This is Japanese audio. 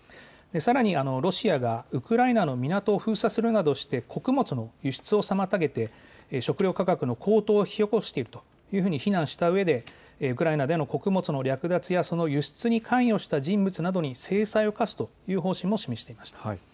さらに、ロシアがウクライナの港を封鎖するなどして穀物の輸出を妨げて食料価格の高騰を引き起こしていると非難したうえでウクライナでの穀物の略奪やその輸出に関与した人物などに制裁を科すという方針も示しました。